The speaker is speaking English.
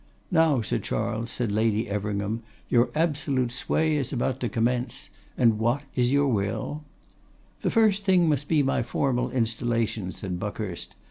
'Now, Sir Charles,' said Lady Everingham, 'your absolute sway is about to commence. And what is your will?' 'The first thing must be my formal installation,' said Buckhurst.